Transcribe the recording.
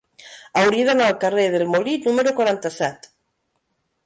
Hauria d'anar al carrer del Molí número quaranta-set.